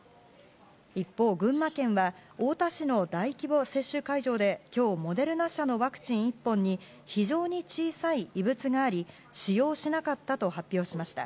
一方、群馬県は太田市の大規模接種会場で今日モデルナ社のワクチン１本に非常に小さい異物を見つけ使用しなかったと発表しました。